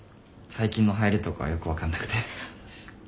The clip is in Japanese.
最近のはやりとかよく分かんなくて。